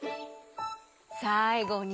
さいごに？